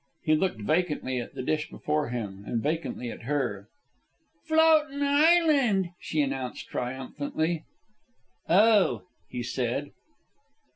He looked vacantly at the dish before him, and vacantly at her. "Floatin' island," she announced triumphantly. "Oh," he said.